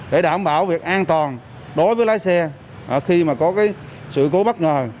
để đảm bảo việc an toàn đối với lái xe khi mà có sự cố bất ngờ